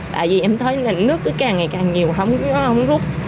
tại vì em thấy ngành nước cứ càng ngày càng nhiều không rút